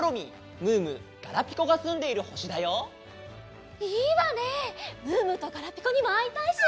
ムームーとガラピコにもあいたいし。